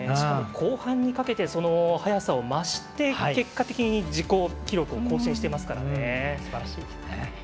後半にかけてその速さを増して結果的に自己記録を更新していますから、すばらしい。